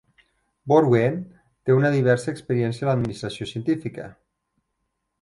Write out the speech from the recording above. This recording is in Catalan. Borwein té una diversa experiència en la administració científica.